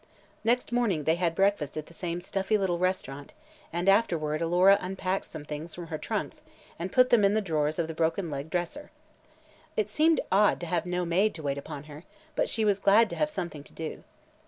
Next morning they had breakfast at the same stuffy little restaurant and afterward Alora unpacked some things from her trunks and put them in the drawers of the broken legged dresser. It seemed odd to have no maid to wait upon her, but she was glad to have something to do.